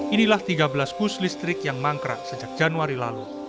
inilah tiga belas bus listrik yang mangkrak sejak januari lalu